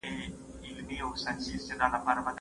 هغه سړی خپل ځان له خطره وساتی.